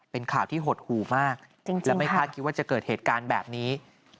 เป็นข่าวที่หดหู่มากและไม่คาดคิดว่าจะเกิดเหตุการณ์แบบนี้